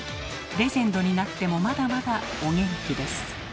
レジェンドになってもまだまだお元気です。